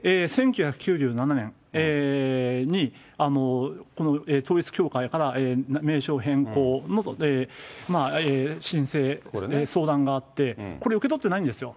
１９９７年にこの統一教会から名称変更の申請、相談があって、これ、受け取ってないんですよ。